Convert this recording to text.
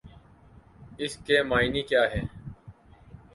اس کے معانی کیا ہیں؟